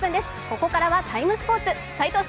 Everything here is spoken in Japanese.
ここからは「ＴＩＭＥ，スポーツ」